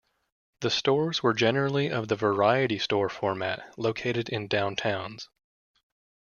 The stores were generally of the variety store format located in downtowns.